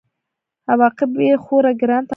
عواقب به یې خورا ګران تمام شي.